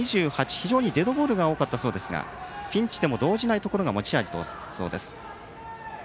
非常にデッドボールが多かったそうですがピンチでも動じないところが持ち味だそうです。